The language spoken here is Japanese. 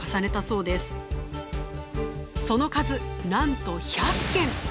その数なんと１００件！